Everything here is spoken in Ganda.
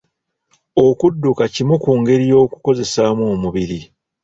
Okudduka kimu ku ngeri y'okukozesaamu omubiri